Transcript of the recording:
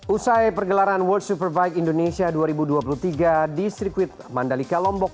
usai pergelaran world superbike indonesia dua ribu dua puluh tiga di sirkuit mandalika lombok